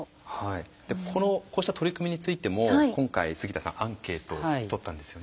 でこのこうした取り組みについても今回杉田さんアンケートをとったんですよね。